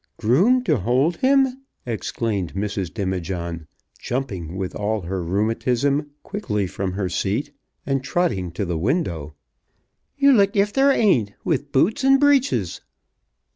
"Groom to hold him!" exclaimed Mrs. Demijohn, jumping, with all her rheumatism, quickly from her seat, and trotting to the window. "You look if there aint, with boots and breeches."